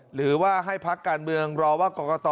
หรือว่าให้พักการเมืองรอว่ากรกต